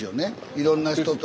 いろんな人と。